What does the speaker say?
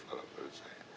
kalau menurut saya